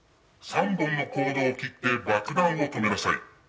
３本のコードを切って爆弾を止めなさい。